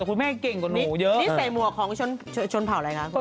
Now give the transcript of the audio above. แต่คุณแม่เก่งกว่าหนูเยอะนี่ใส่มัวของชนเผ่าอะไรครับ